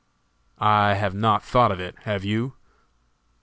"I have not thought of it, have you?"